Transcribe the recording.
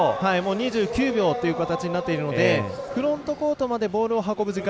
２９秒という形になっているのでフロントコートまでボールを運ぶ時間。